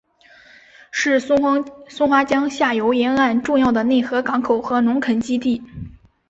是松花江下游沿岸重要的内河港口和农垦基地。